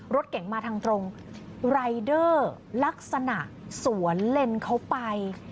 รถแก่งมาทางตรงลักษณะสวนเลนเขาไป